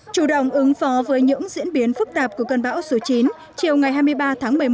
chủ động ứng phó với những diễn biến phức tạp của cơn bão số chín chiều ngày hai mươi ba tháng một mươi một